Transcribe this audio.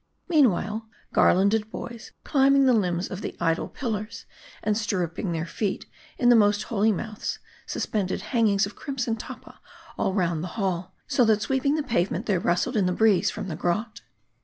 Meanwhile, garlanded boys, climbing the limbs of the idol pillars, and stirruping, their feet in their most holy mouths, suspended hangings of crimson tappa all round the hall ; so that sweeping the pavement they rustled in the breeze from the grot.